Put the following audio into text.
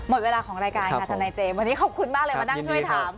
หมดเวลาของรายการค่ะทนายเจมส์วันนี้ขอบคุณมากเลยมานั่งช่วยถาม